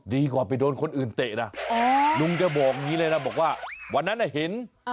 ดีกว่าไปโดนคนอื่นเตะนะลุงแกบอกอย่างนี้เลยนะบอกว่าวันนั้นเห็น